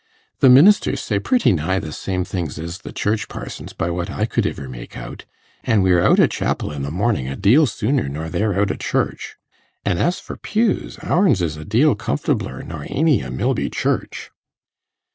The ministers say pretty nigh the same things as the Church parsons, by what I could iver make out, an' we're out o' chapel i' the mornin' a deal sooner nor they're out o' church. An' as for pews, ourn's is a deal comfortabler nor aeny i' Milby Church.